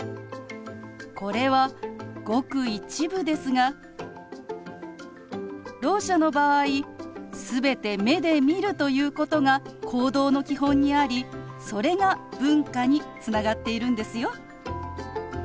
これはごく一部ですがろう者の場合全て目で見るということが行動の基本にありそれが文化につながっているんですよ。